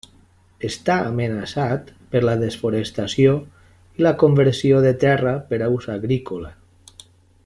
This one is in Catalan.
Està amenaçat per la desforestació i la conversió de terra per a ús agrícola.